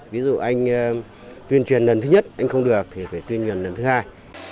ví dụ anh tuyên truyền lần thứ nhất anh không được thì phải tuyên truyền lần thứ hai